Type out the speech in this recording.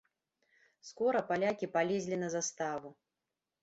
Скора палякі палезлі на заставу.